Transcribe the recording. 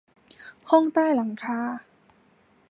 ห้องใต้หลังคา